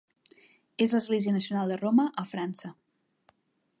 És l'església nacional de Roma a França.